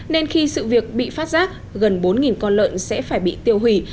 nên khi sự việc bị phát giác gần bốn con lợn sẽ phải bị tiêu hủy